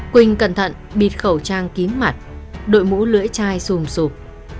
quỳnh cẩn thận bịt khẩu trang kín mặt đội mũ lưỡi chai xùm sụp